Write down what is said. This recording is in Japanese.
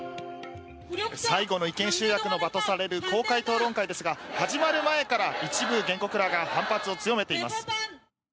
最後の意見集約の場とされる公開討論会ですが始まる前から一部原告らが反発を強めています。